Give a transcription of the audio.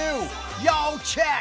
要チェック！